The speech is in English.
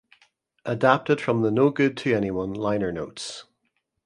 Adapted from the "No Good to Anyone" liner notes.